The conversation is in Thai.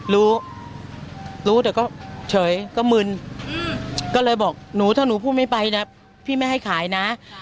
รู้รู้แต่ก็เฉยก็มึนก็เลยบอกหนูถ้าหนูพูดไม่ไปนะพี่ไม่ให้ขายนะ